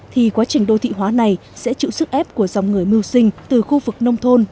thì quá trình đô thị hóa này sẽ chịu sức ép của dòng người mưu sinh từ khu vực nông thôn